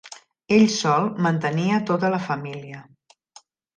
Ell sol mantenia tota la família.